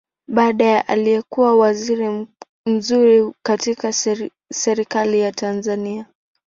Baadaye alikua waziri mzuri katika Serikali ya Tanzania.